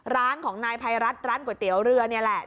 ร้านของนายภัยรัฐร้านก๋วยเตี๋ยวเรือนี่แหละ